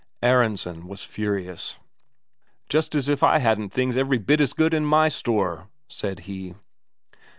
Aronsen was furious. "Just as if I hadn't things every bit as good in my store," said he.